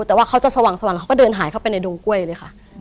แต่ว่าเขาจะสว่างแล้วเขาก็เดินหายเข้าไปในดงกล้วยเลยค่ะ